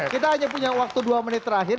kita hanya punya waktu dua menit terakhir